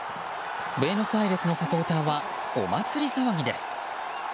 ブエノスアイレスのサポーターはお祭り騒ぎです。